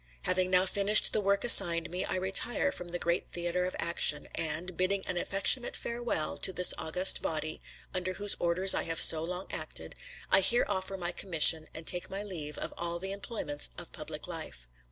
Having now finished the work assigned me, I retire from the great theatre of action, and, bidding an affectionate farewell to this august body, under whose orders I have so long acted, I here offer my commission and take my leave of all the employments of public life."